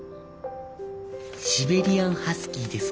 シベリアンハスキーですか？